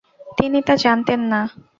তিনি তা জানতেন না।